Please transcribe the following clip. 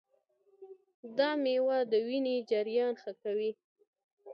دا مېوه د وینې جریان ښه کوي.